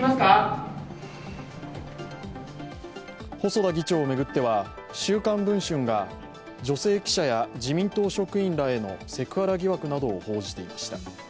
細田議長を巡っては「週刊文春」が女性記者や自民党職員らへのセクハラ疑惑などを報じていました。